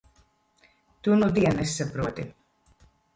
Tu nudien nesaproti.